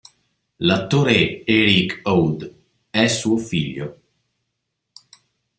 L'attore Erik Ode è suo figlio.